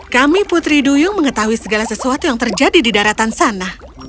kami putri duyung mengetahui segala sesuatu yang terjadi di daratan sana